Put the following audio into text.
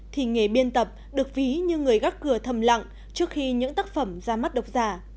thì nghề biên tập được ví như người gắt cửa thầm lặng trước khi những tác phẩm ra mắt độc giả